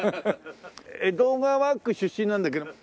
江戸川区出身なんだけど。